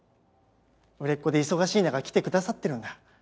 売れっ子で忙しい中来てくださってるんだ。